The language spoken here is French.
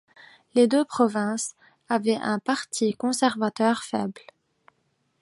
Les deux provinces avaient un Parti conservateur faible.